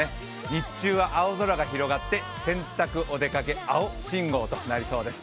日中は青空が広がって洗濯、お出かけ、青信号となりそうです。